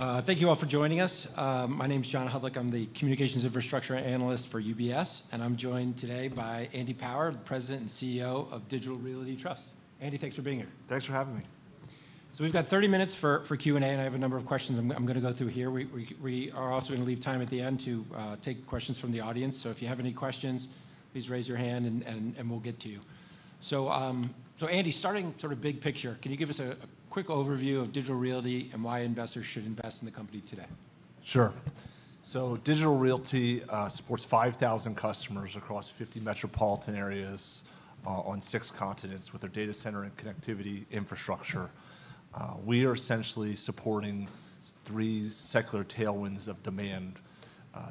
Thank you all for joining us. My name is John Hudlick. I'm the Communications Infrastructure Analyst for UBS, and I'm joined today by Andy Power, the President and CEO of Digital Realty Trust. Andy, thanks for being here. Thanks for having me. We've got 30 minutes for Q&A, and I have a number of questions I'm going to go through here. We are also going to leave time at the end to take questions from the audience. If you have any questions, please raise your hand, and we'll get to you. Andy, starting sort of big picture, can you give us a quick overview of Digital Realty and why investors should invest in the company today? Sure. Digital Realty supports 5,000 customers across 50 metropolitan areas on six continents, with their data center and connectivity infrastructure. We are essentially supporting three secular tailwinds of demand: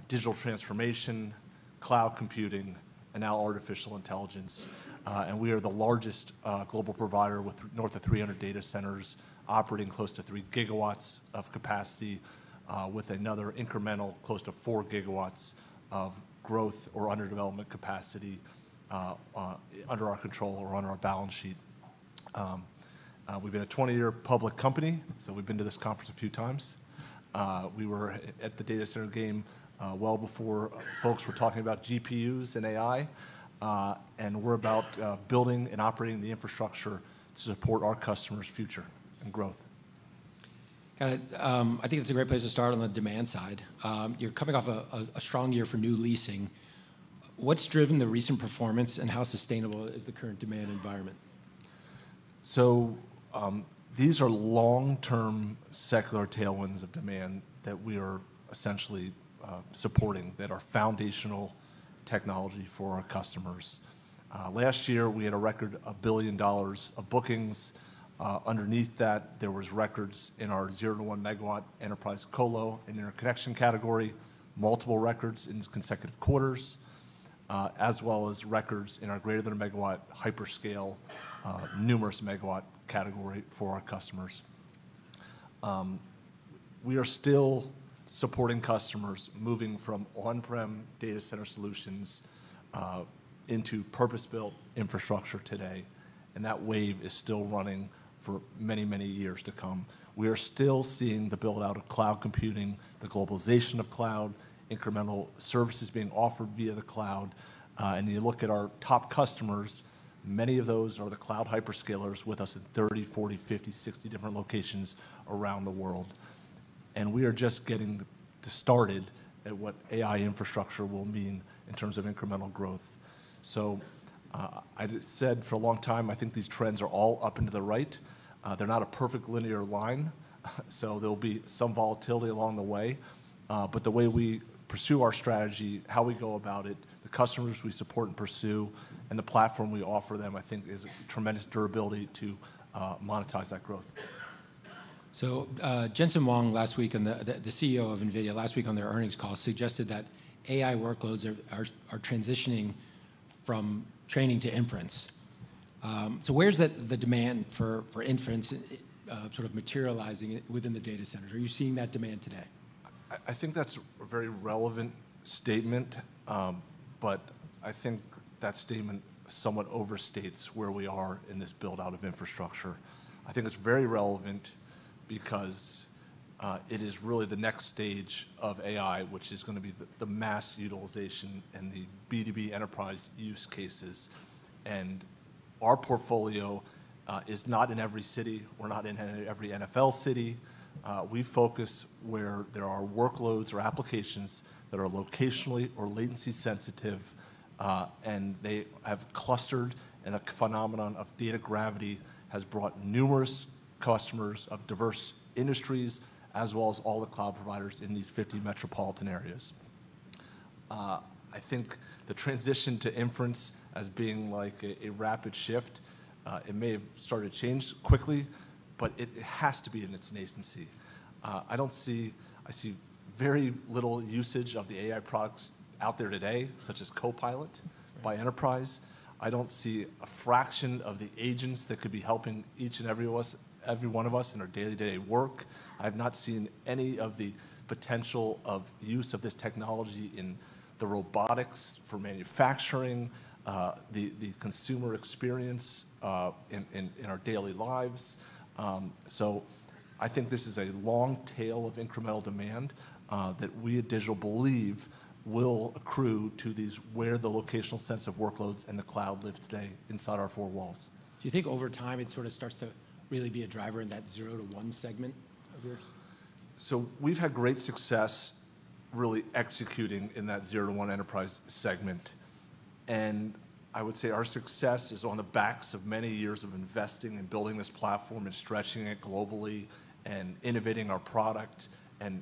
digital transformation, cloud computing, and now artificial intelligence. We are the largest global provider, with north of 300 data centers, operating close to 3 GW of capacity, with another incremental close to 4 GW of growth or underdevelopment capacity under our control or on our balance sheet. We have been a 20-year public company, so we have been to this conference a few times. We were at the data center game well before folks were talking about GPUs and AI, and we are about building and operating the infrastructure to support our customers' future and growth. Kind of I think it's a great place to start on the demand side. You're coming off a strong year for new leasing. What's driven the recent performance, and how sustainable is the current demand environment? These are long-term secular tailwinds of demand that we are essentially supporting, that are foundational technology for our customers. Last year, we had a record of $1 billion of bookings. Underneath that, there were records in our 0-1 MW enterprise co-lo and interconnection category, multiple records in consecutive quarters, as well as records in our greater than 1 MW hyperscale, numerous megawatt category for our customers. We are still supporting customers moving from on-prem data center solutions into purpose-built infrastructure today, and that wave is still running for many, many years to come. We are still seeing the build-out of cloud computing, the globalization of cloud, incremental services being offered via the cloud. You look at our top customers, many of those are the cloud hyperscalers with us in 30, 40, 50, 60 different locations around the world. We are just getting started at what AI infrastructure will mean in terms of incremental growth. I said for a long time, I think these trends are all up and to the right. They are not a perfect linear line, so there will be some volatility along the way. The way we pursue our strategy, how we go about it, the customers we support and pursue, and the platform we offer them, I think, is tremendous durability to monetize that growth. Jensen Huang last week, the CEO of NVIDIA, last week on their earnings call, suggested that AI workloads are transitioning from training to inference. Where's the demand for inference sort of materializing within the data centers? Are you seeing that demand today? I think that's a very relevant statement, but I think that statement somewhat overstates where we are in this build-out of infrastructure. I think it's very relevant because it is really the next stage of AI, which is going to be the mass utilization and the B2B enterprise use cases. Our portfolio is not in every city. We're not in every NFL city. We focus where there are workloads or applications that are locationally or latency-sensitive, and they have clustered in a phenomenon of data gravity that has brought numerous customers of diverse industries, as well as all the cloud providers in these 50 metropolitan areas. I think the transition to inference as being like a rapid shift, it may have started to change quickly, but it has to be in its nascency. I see very little usage of the AI products out there today, such as Copilot by Enterprise. I do not see a fraction of the agents that could be helping each and every one of us in our day-to-day work. I have not seen any of the potential of use of this technology in the robotics for manufacturing, the consumer experience in our daily lives. I think this is a long tail of incremental demand that we at Digital believe will accrue to these where the locational sense of workloads and the cloud live today inside our four walls. Do you think over time it sort of starts to really be a driver in that 0-1 segment of yours? We've had great success really executing in that 0-1 enterprise segment. I would say our success is on the backs of many years of investing and building this platform and stretching it globally and innovating our product and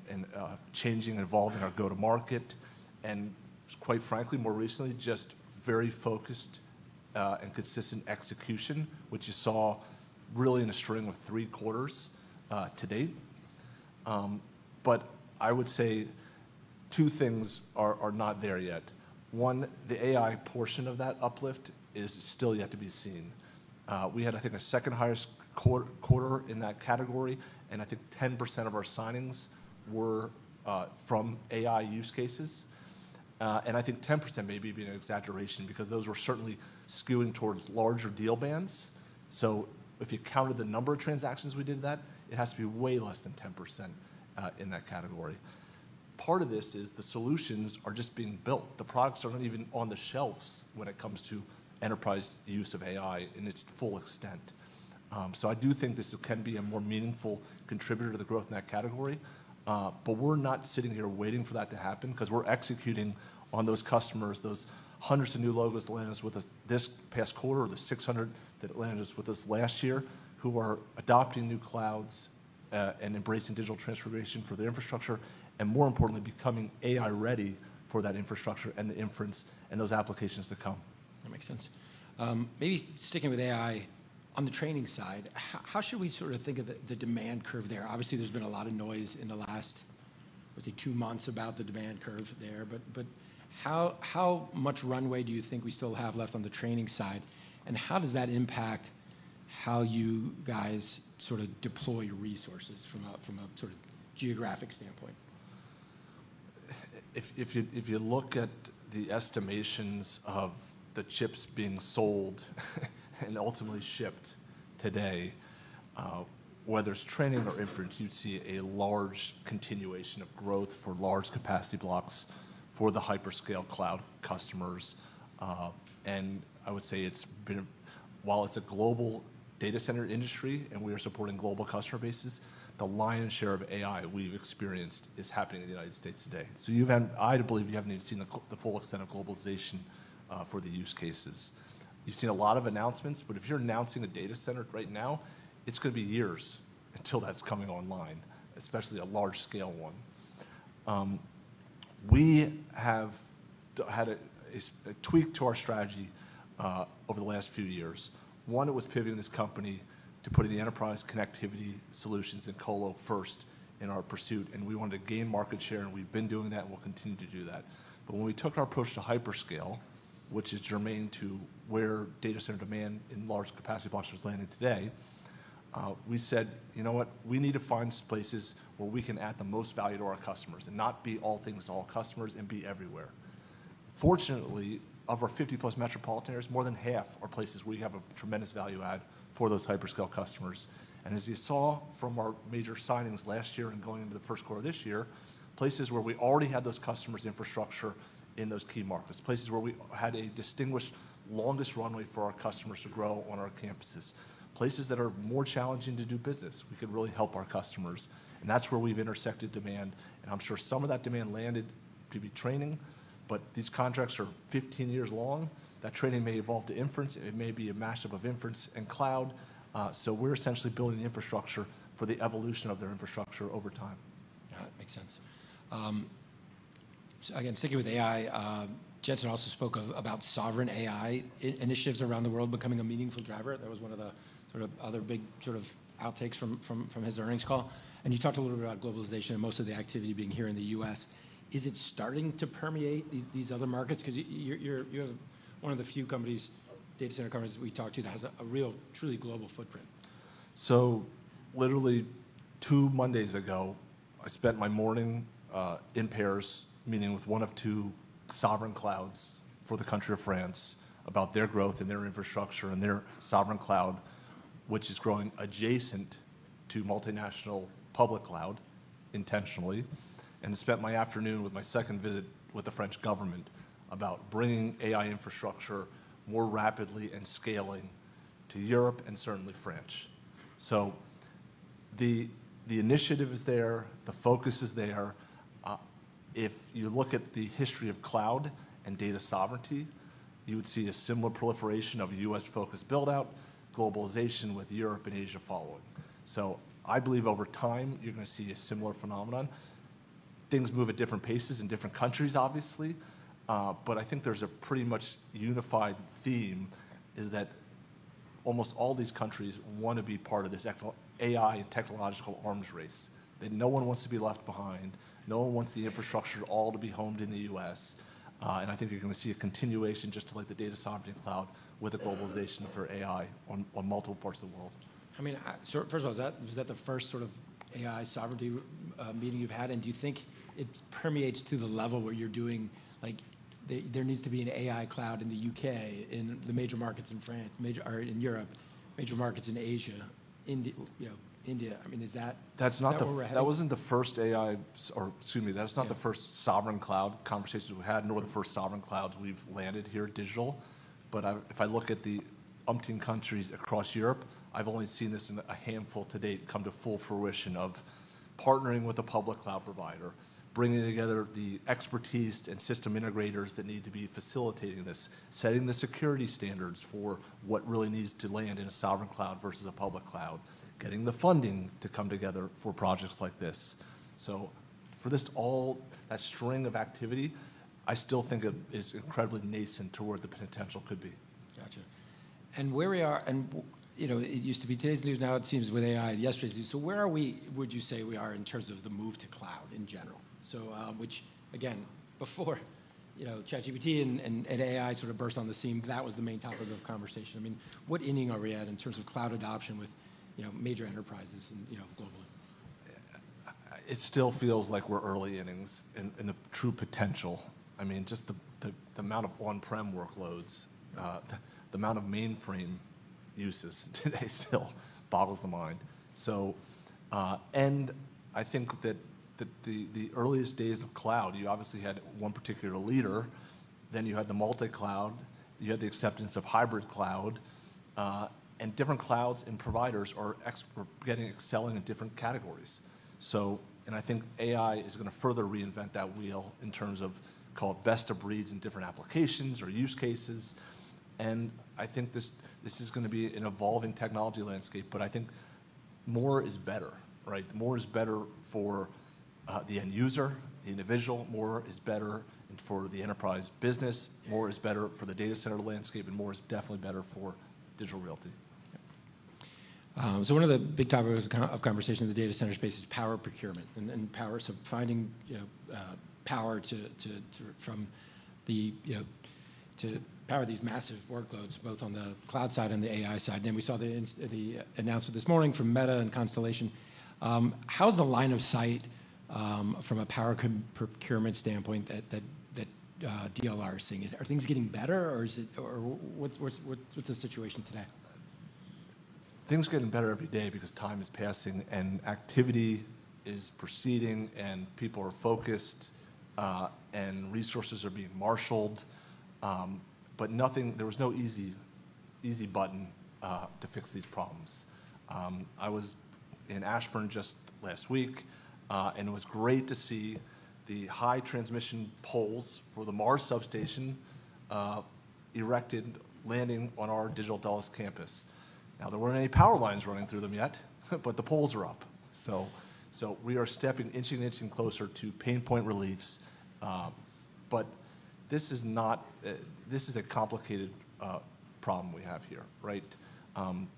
changing and evolving our go-to-market. Quite frankly, more recently, just very focused and consistent execution, which you saw really in a string of three quarters to date. I would say two things are not there yet. One, the AI portion of that uplift is still yet to be seen. We had, I think, a second highest quarter in that category, and I think 10% of our signings were from AI use cases. I think 10% may be an exaggeration because those were certainly skewing towards larger deal bands. If you counted the number of transactions we did that, it has to be way less than 10% in that category. Part of this is the solutions are just being built. The products are not even on the shelves when it comes to enterprise use of AI in its full extent. I do think this can be a more meaningful contributor to the growth in that category. We're not sitting here waiting for that to happen because we're executing on those customers, those hundreds of new logos that landed with us this past quarter, or the 600 that landed with us last year, who are adopting new clouds and embracing digital transformation for their infrastructure, and more importantly, becoming AI-ready for that infrastructure and the inference and those applications to come. That makes sense. Maybe sticking with AI on the training side, how should we sort of think of the demand curve there? Obviously, there has been a lot of noise in the last, I would say, 2 months about the demand curve there. How much runway do you think we still have left on the training side, and how does that impact how you guys sort of deploy resources from a geographic standpoint? If you look at the estimations of the chips being sold and ultimately shipped today, whether it's training or inference, you'd see a large continuation of growth for large capacity blocks for the hyperscale cloud customers. I would say it's been, while it's a global data center industry and we are supporting global customer bases, the lion's share of AI we've experienced is happening in the U.S. today. I believe you haven't even seen the full extent of globalization for the use cases. You've seen a lot of announcements, but if you're announcing a data center right now, it's going to be years until that's coming online, especially a large-scale one. We have had a tweak to our strategy over the last few years. One, it was pivoting this company to putting the enterprise connectivity solutions and co-lo first in our pursuit, and we wanted to gain market share, and we've been doing that and will continue to do that. When we took our push to hyperscale, which is germane to where data center demand in large capacity blocks was landing today, we said, you know what, we need to find places where we can add the most value to our customers and not be all things to all customers and be everywhere. Fortunately, of our 50+ metropolitan areas, more than half are places we have a tremendous value add for those hyperscale customers. As you saw from our major signings last year and going into the first quarter of this year, places where we already had those customers' infrastructure in those key markets, places where we had a distinguished longest runway for our customers to grow on our campuses, places that are more challenging to do business, we could really help our customers. That is where we have intersected demand. I'm sure some of that demand landed to be training, but these contracts are 15 years long. That training may evolve to inference. It may be a mashup of inference and cloud. We are essentially building infrastructure for the evolution of their infrastructure over time. That makes sense. Again, sticking with AI, Jensen also spoke about sovereign AI initiatives around the world becoming a meaningful driver. That was one of the sort of other big sort of outtakes from his earnings call. You talked a little bit about globalization and most of the activity being here in the U.S. Is it starting to permeate these other markets? Because you're one of the few data center companies we talk to that has a real, truly global footprint? Literally two Mondays ago, I spent my morning in Paris meeting with one of two sovereign clouds for the country of France about their growth and their infrastructure and their sovereign cloud, which is growing adjacent to multinational public cloud intentionally. I spent my afternoon with my second visit with the French government about bringing AI infrastructure more rapidly and scaling to Europe and certainly France. The initiative is there. The focus is there. If you look at the history of cloud and data sovereignty, you would see a similar proliferation of U.S.-focused build-out, globalization with Europe and Asia following. I believe over time, you're going to see a similar phenomenon. Things move at different paces in different countries, obviously. I think there's a pretty much unified theme is that almost all these countries want to be part of this AI and technological arms race. No one wants to be left behind. No one wants the infrastructure all to be homed in the U.S. I think you're going to see a continuation just like the data sovereignty cloud with the globalization for AI on multiple parts of the world. I mean, first of all, was that the first sort of AI sovereignty meeting you've had? And do you think it permeates to the level where you're doing like there needs to be an AI cloud in the U.K., in the major markets in France, in Europe, major markets in Asia, India? I mean, is that. That's not the first AI or excuse me, that's not the first sovereign cloud conversations we've had, nor the first sovereign clouds we've landed here at Digital. If I look at the umpteen countries across Europe, I've only seen this in a handful to date come to full fruition of partnering with a public cloud provider, bringing together the expertise and system integrators that need to be facilitating this, setting the security standards for what really needs to land in a sovereign cloud versus a public cloud, getting the funding to come together for projects like this. For this all, that string of activity, I still think it is incredibly nascent to where the potential could be. Got you. Where we are, and it used to be today's news, now it seems with AI, yesterday's news. Where would you say we are in terms of the move to cloud in general? Which, again, before ChatGPT and AI sort of burst on the scene, that was the main topic of conversation. I mean, what inning are we at in terms of cloud adoption with major enterprises and globally? It still feels like we're early innings and the true potential. I mean, just the amount of on-prem workloads, the amount of mainframe uses today still boggles the mind. I think that the earliest days of cloud, you obviously had one particular leader. Then you had the multi-cloud. You had the acceptance of hybrid cloud. Different clouds and providers are getting excelling in different categories. I think AI is going to further reinvent that wheel in terms of called best of breeds in different applications or use cases. I think this is going to be an evolving technology landscape, but I think more is better, right? More is better for the end user, the individual. More is better for the enterprise business. More is better for the data center landscape, and more is definitely better for Digital Realty. One of the big topics of conversation in the data center space is power procurement and power. Finding power for these massive workloads, both on the cloud side and the AI side. We saw the announcement this morning from Meta and Constellation. How is the line of sight from a power procurement standpoint that Digital Realty Trust is seeing? Are things getting better, or what is the situation today? Things are getting better every day because time is passing and activity is proceeding and people are focused and resources are being marshaled. There was no easy button to fix these problems. I was in Ashburn just last week, and it was great to see the high transmission poles for the Mars substation erected landing on our Digital Dallas campus. Now, there were not any power lines running through them yet, but the poles are up. We are stepping inch and inch closer to pain point reliefs. This is a complicated problem we have here, right?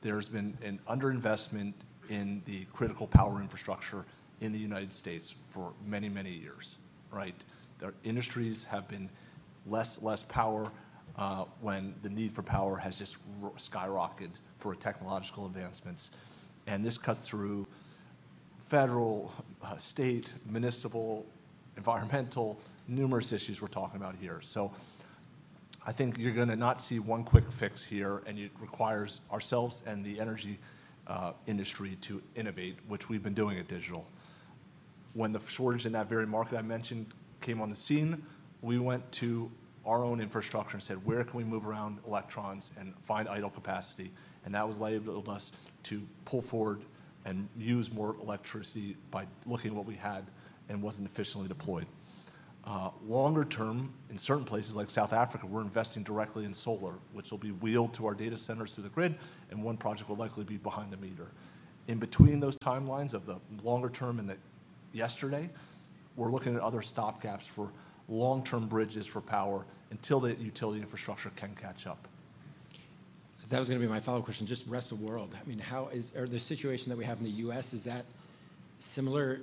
There has been an underinvestment in the critical power infrastructure in the United States for many, many years, right? Industries have been less, less power when the need for power has just skyrocketed for technological advancements. This cuts through federal, state, municipal, environmental, numerous issues we are talking about here. I think you're going to not see one quick fix here, and it requires ourselves and the energy industry to innovate, which we've been doing at Digital. When the shortage in that very market I mentioned came on the scene, we went to our own infrastructure and said, where can we move around electrons and find idle capacity? That was labeled us to pull forward and use more electricity by looking at what we had and was not efficiently deployed. Longer term, in certain places like South Africa, we're investing directly in solar, which will be wheeled to our data centers through the grid, and one project will likely be behind the meter. In between those timelines of the longer term and yesterday, we're looking at other stopgaps for long-term bridges for power until the utility infrastructure can catch up. That was going to be my follow up question. Just the rest of the world, I mean, how is the situation that we have in the U.S., is that similar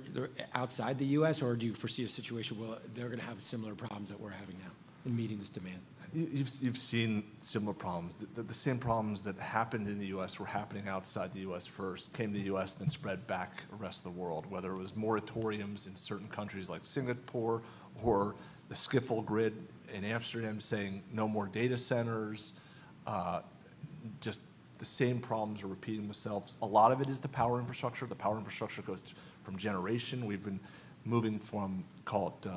outside the U.S., or do you foresee a situation where they're going to have similar problems that we're having now in meeting this demand? You've seen similar problems. The same problems that happened in the U.S. were happening outside the U.S. first, came to the U.S., then spread back the rest of the world, whether it was moratoriums in certain countries like Singapore or the grid in Amsterdam saying no more data centers. Just the same problems are repeating themselves. A lot of it is the power infrastructure. The power infrastructure goes from generation. We've been moving from, call it,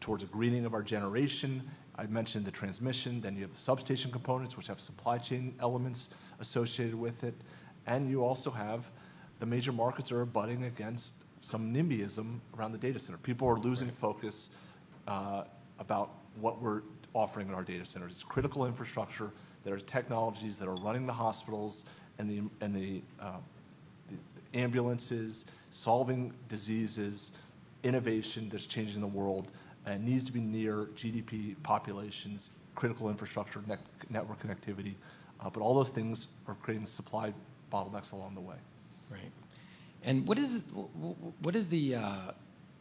towards a greening of our generation. I mentioned the transmission. You have the substation components, which have supply chain elements associated with it. You also have the major markets that are butting against some NIMBYism around the data center. People are losing focus about what we're offering in our data centers. It's critical infrastructure. There are technologies that are running the hospitals and the ambulances, solving diseases, innovation that's changing the world and needs to be near GDP populations, critical infrastructure, network connectivity. All those things are creating supply bottlenecks along the way. Right. What is the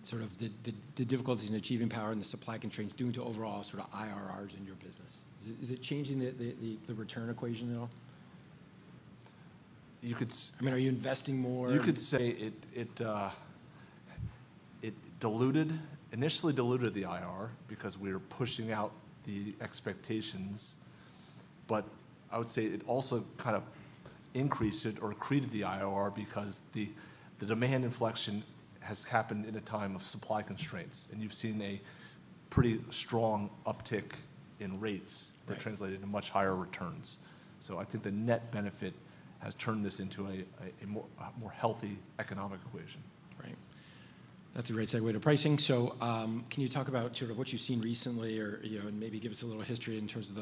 sort of the difficulties in achieving power and the supply constraints doing to overall sort of IRRs in your business? Is it changing the return equation at all? I mean, are you investing more? You could say it initially diluted the IRR because we were pushing out the expectations. I would say it also kind of increased it or created the IRR because the demand inflection has happened in a time of supply constraints. You have seen a pretty strong uptick in rates that translated into much higher returns. I think the net benefit has turned this into a more healthy economic equation. Right. That's a great segue to pricing. Can you talk about sort of what you've seen recently and maybe give us a little history in terms of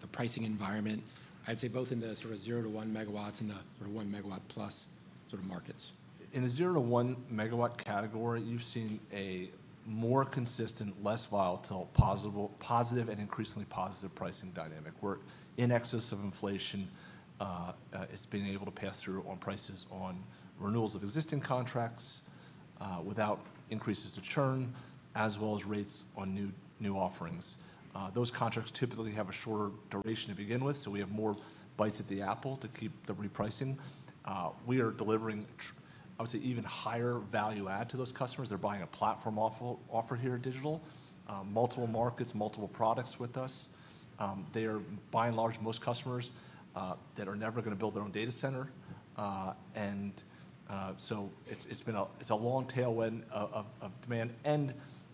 the pricing environment, I'd say both in the sort of 0-1 MW and the sort of 1 MW+ sort of markets? In the 0-1 MW category, you've seen a more consistent, less volatile, positive and increasingly positive pricing dynamic where, in excess of inflation, it's been able to pass through on prices on renewals of existing contracts without increases to churn, as well as rates on new offerings. Those contracts typically have a shorter duration to begin with, so we have more bites at the apple to keep the repricing. We are delivering, I would say, even higher value add to those customers. They're buying a platform offer here at Digital, multiple markets, multiple products with us. They are, by and large, most customers that are never going to build their own data center. It is a long tailwind of demand.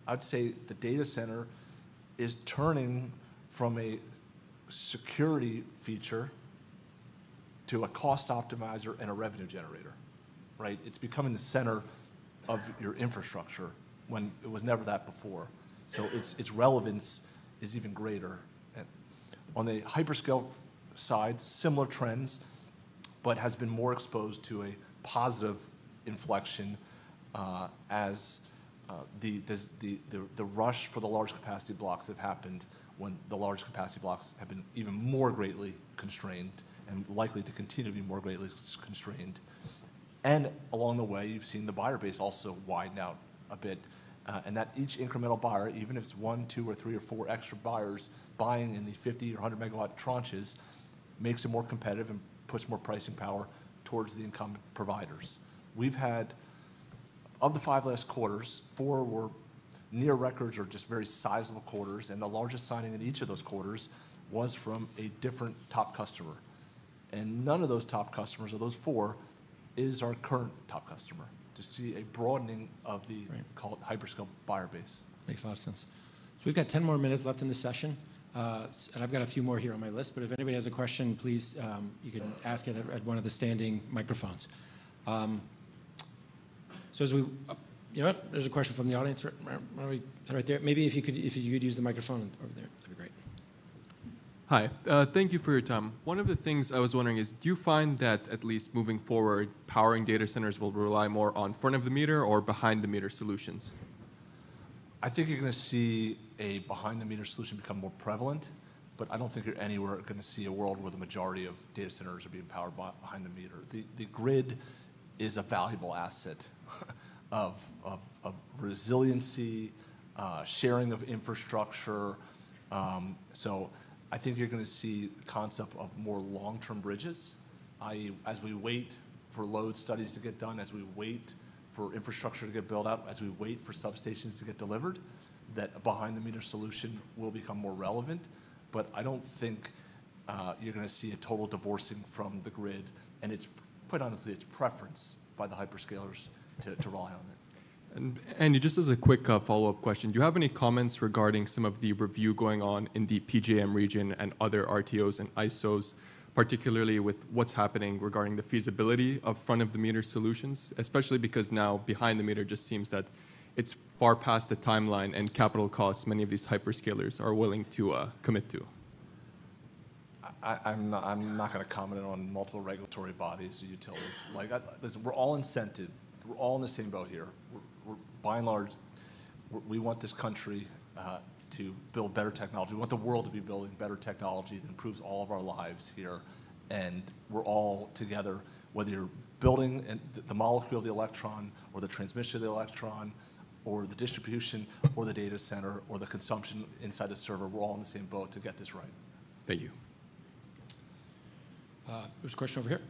I would say the data center is turning from a security feature to a cost optimizer and a revenue generator, right? It's becoming the center of your infrastructure when it was never that before. Its relevance is even greater. On the hyperscale side, similar trends, but has been more exposed to a positive inflection as the rush for the large capacity blocks have happened when the large capacity blocks have been even more greatly constrained and likely to continue to be more greatly constrained. Along the way, you've seen the buyer base also widen out a bit. Each incremental buyer, even if it's one, two, three, or four extra buyers buying in the 50 MW, 100 MW tranches, makes it more competitive and puts more pricing power towards the incumbent providers. We've had, of the five last quarters, four were near records or just very sizable quarters. The largest signing in each of those quarters was from a different top customer. None of those top customers of those four is our current top customer to see a broadening of the hyperscale buyer base. Makes a lot of sense. We have 10 more minutes left in the session. I have a few more here on my list, but if anybody has a question, please, you can ask it at one of the standing microphones. There is a question from the audience right there. Maybe if you could use the microphone over there, that would be great. Hi. Thank you for your time. One of the things I was wondering is, do you find that at least moving forward, powering data centers will rely more on front-of-the-meter or behind-the-meter solutions? I think you're going to see a behind-the-meter solution become more prevalent, but I don't think you're anywhere going to see a world where the majority of data centers are being powered behind the meter. The grid is a valuable asset of resiliency, sharing of infrastructure. I think you're going to see the concept of more long-term bridges, i.e., as we wait for load studies to get done, as we wait for infrastructure to get built up, as we wait for substations to get delivered, that a behind-the-meter solution will become more relevant. I don't think you're going to see a total divorcing from the grid. Quite honestly, it's preference by the hyperscalers to rely on it. Just as a quick follow up question, do you have any comments regarding some of the review going on in the PJM region and other RTOs and ISOs, particularly with what's happening regarding the feasibility of front-of-the-meter solutions, especially because now behind-the-meter just seems that it's far past the timeline and capital costs many of these hyperscalers are willing to commit to? I'm not going to comment on multiple regulatory bodies or utilities. We're all incented. We're all in the same boat here. By and large, we want this country to build better technology. We want the world to be building better technology that improves all of our lives here. We're all together, whether you're building the molecule of the electron or the transmission of the electron or the distribution or the data center or the consumption inside the server, we're all in the same boat to get this right. Thank you. There's a question over here?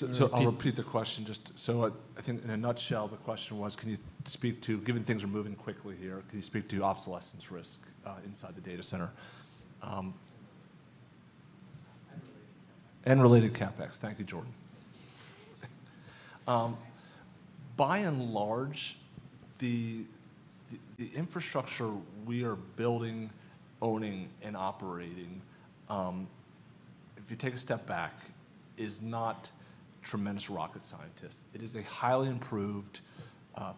I've seen things have moved quite quickly in terms of the technology and infrastructure in data centers. Can you just speak to what's the lesson in terms of impact and effects around specific data centers? I'll repeat the question. I think in a nutshell, the question was, can you speak to, given things are moving quickly here, can you speak to obsolescence risk inside the data center? Related CapEx. Related CapEx. Thank you, Jordan. By and large, the infrastructure we are building, owning, and operating, if you take a step back, is not tremendous rocket scientists. It is a highly improved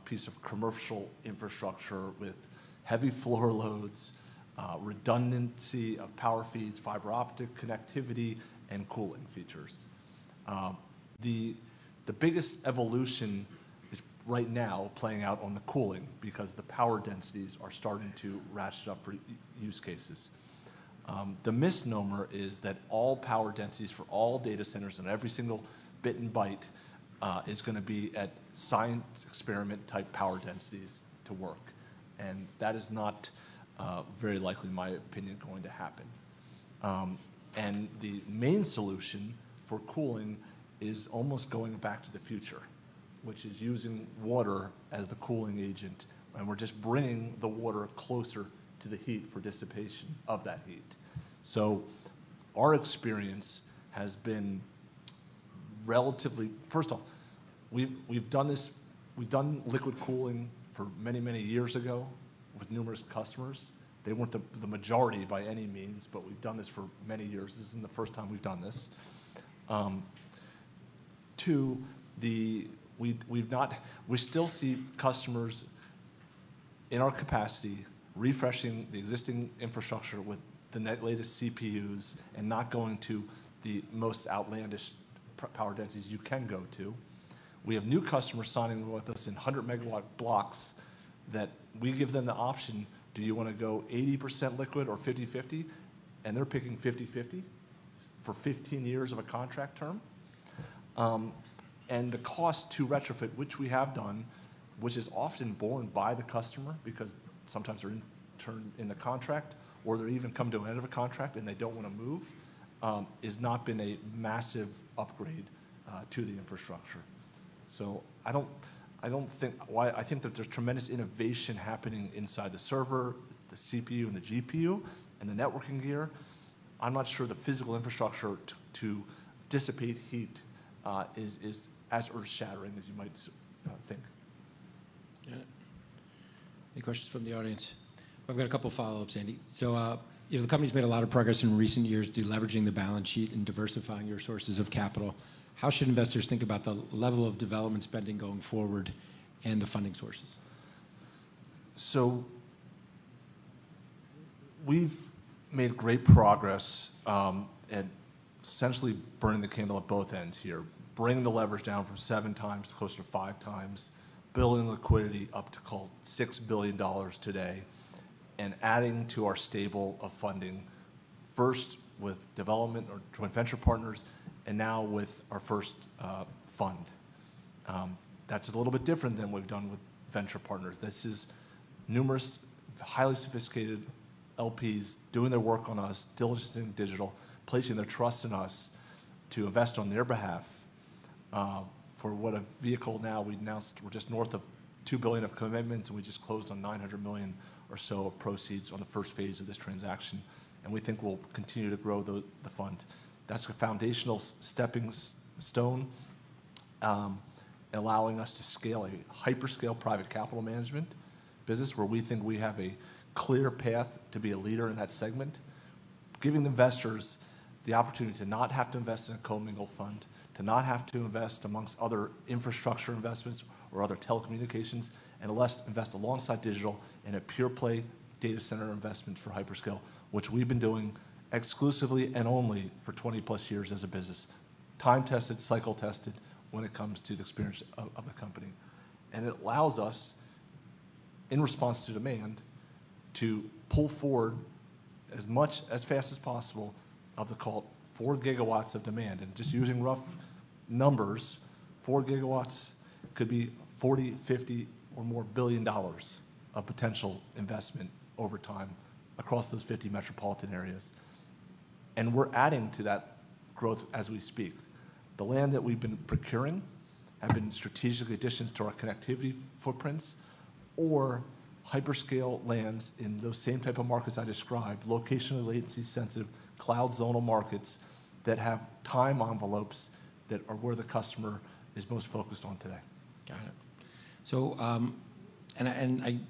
piece of commercial infrastructure with heavy floor loads, redundancy of power feeds, fiber optic connectivity, and cooling features. The biggest evolution is right now playing out on the cooling because the power densities are starting to ratchet up for use cases. The misnomer is that all power densities for all data centers and every single bit and byte is going to be at science experiment type power densities to work. That is not very likely, in my opinion, going to happen. The main solution for cooling is almost going back to the future, which is using water as the cooling agent. We're just bringing the water closer to the heat for dissipation of that heat. Our experience has been, first off, we've done liquid cooling for many, many years ago with numerous customers. They weren't the majority by any means, but we've done this for many years. This isn't the first time we've done this. Two, we still see customers in our capacity refreshing the existing infrastructure with the latest CPUs and not going to the most outlandish power densities you can go to. We have new customers signing with us in 100 MW blocks that we give them the option, do you want to go 80% liquid or 50/50? They're picking 50/50 for 15 years of a contract term. The cost to retrofit, which we have done, which is often borne by the customer because sometimes they're in the contract or they even come to the end of a contract and they do not want to move, has not been a massive upgrade to the infrastructure. I do not think that there's tremendous innovation happening inside the server, the CPU, and the GPU, and the networking gear. I'm not sure the physical infrastructure to dissipate heat is as earth-shattering as you might think. Yeah. Any questions from the audience? I've got a couple of follow ups, Andy. So the company's made a lot of progress in recent years to leveraging the balance sheet and diversifying your sources of capital. How should investors think about the level of development spending going forward and the funding sources? We've made great progress at essentially burning the candle at both ends here, bringing the leverage down from seven times to close to five times, building liquidity up to $6 billion today, and adding to our stable of funding, first with development or joint venture partners and now with our first fund. That's a little bit different than what we've done with venture partners. This is numerous, highly sophisticated LPs doing their work on us, diligent in digital, placing their trust in us to invest on their behalf for what a vehicle now we announced. We're just north of $2 billion of commitments, and we just closed on $900 million or so of proceeds on the first phase of this transaction. We think we'll continue to grow the fund. That's a foundational stepping stone, allowing us to scale a hyperscale private capital management business where we think we have a clear path to be a leader in that segment, giving investors the opportunity to not have to invest in a co-mingled fund, to not have to invest amongst other infrastructure investments or other telecommunications, and less invest alongside Digital in a pure play data center investment for hyperscale, which we've been doing exclusively and only for 20+ years as a business, time tested, cycle tested when it comes to the experience of the company. It allows us, in response to demand, to pull forward as fast as possible of the call, 4 GW of demand. Just using rough numbers, 4 GW could be $40 billion, $50 billion or more billion dollars of potential investment over time across those 50 metropolitan areas. We are adding to that growth as we speak. The land that we have been procuring have been strategic additions to our connectivity footprints or hyperscale lands in those same type of markets I described, locationally latency sensitive cloud zonal markets that have time envelopes that are where the customer is most focused on today. Got it. The JVs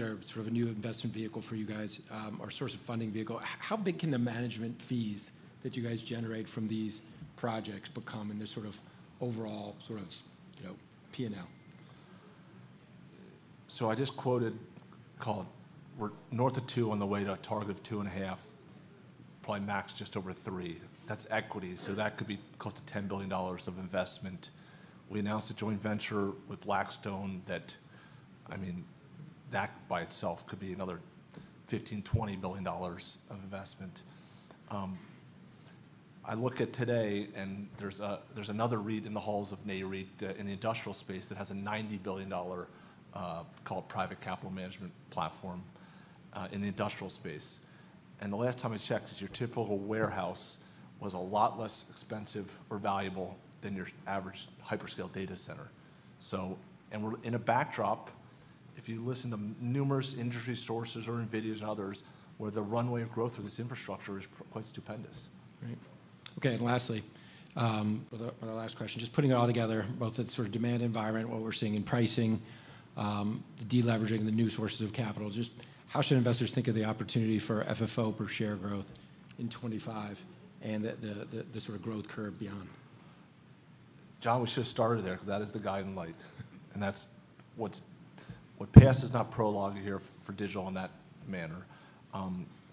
are sort of a new investment vehicle for you guys, or source of funding vehicle. How big can the management fees that you guys generate from these projects become in this sort of overall sort of P&L? I just quoted we're north of two on the way to a target of two and half, probably max just over three. That's equity. That could be close to $10 billion of investment. We announced a joint venture with Blackstone that, I mean, that by itself could be another $15 billion, $20 billion of investment. I look at today, and there's another REIT in the halls of Nareit in the industrial space that has a $90 billion called private capital management platform in the industrial space. The last time I checked, your typical warehouse was a lot less expensive or valuable than your average hyperscale data center. We're in a backdrop, if you listen to numerous industry sources or NVIDIA's and others, where the runway of growth for this infrastructure is quite stupendous. Right. Okay. Lastly, for the last question, just putting it all together, both the sort of demand environment, what we're seeing in pricing, the deleveraging, the new sources of capital, just how should investors think of the opportunity for FFO per share growth in 2025 and the sort of growth curve beyond? John, we should have started there. That is the guiding light. That is what passes not prologue here for Digital in that manner.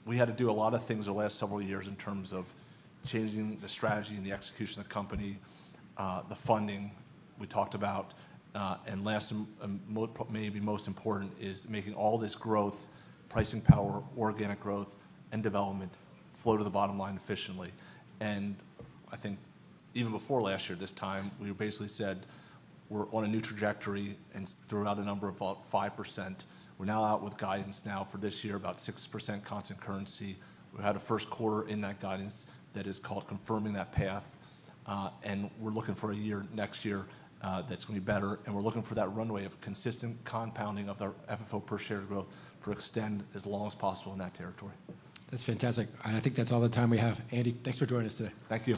We had to do a lot of things over the last several years in terms of changing the strategy and the execution of the company, the funding we talked about. Last, maybe most important, is making all this growth, pricing power, organic growth, and development flow to the bottom line efficiently. I think even before last year, this time, we basically said we're on a new trajectory and threw out a number of about 5%. We're now out with guidance now for this year, about 6% constant currency. We had a first quarter in that guidance that is called confirming that path. We're looking for a year next year that's going to be better. We're looking for that runway of consistent compounding of the FFO per share growth to extend as long as possible in that territory. That's fantastic. I think that's all the time we have. Andy, thanks for joining us today. Thank you.